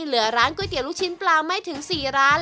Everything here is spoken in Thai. เหลือร้านก๋วยเตี๋ยวลูกชิ้นปลาไม่ถึง๔ร้าน